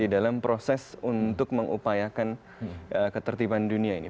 dalam proses untuk mengupayakan ketertiban dunia ini